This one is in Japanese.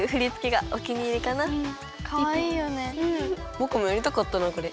ぼくもやりたかったなこれ。